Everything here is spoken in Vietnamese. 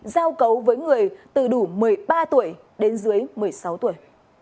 giao cấu với người từ đủ một mươi ba tuổi đến dưới một mươi sáu tuổi